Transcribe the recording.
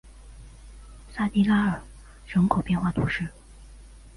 萨蒂拉尔格人口变化图示